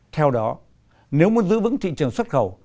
theo đó nếu muốn giữ vững thị trường xuất khẩu